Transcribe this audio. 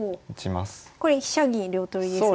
これ飛車銀両取りですよね。